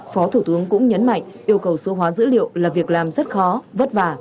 phó thủ tướng cũng nhấn mạnh yêu cầu số hóa dữ liệu là việc làm rất khó vất vả